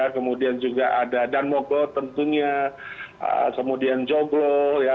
kemudian juga ada danmogot tentunya kemudian joglo